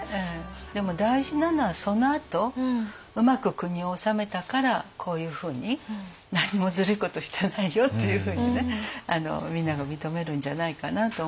でも大事なのはそのあとうまく国を治めたからこういうふうに何もずるいことしてないよっていうふうにねみんなが認めるんじゃないかなと思います。